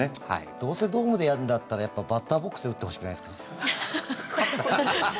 どうせドームでやるんだったらやっぱ、バッターボックスで打ってほしくないですか？